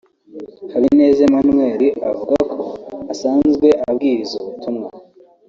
Habineza Emmanuel avuga ko asanzwe abwiriza ubutumwa